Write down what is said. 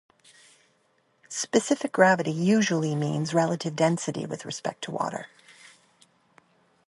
Specific gravity usually means relative density with respect to water.